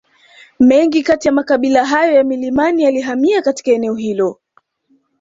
Mengi kati ya makabila hayo ya milimani yalihamia katika eneo hilo